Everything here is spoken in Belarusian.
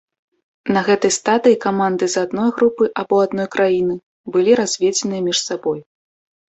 На гэтай стадыі каманды з адной групы або адной краіны былі разведзеныя між сабой.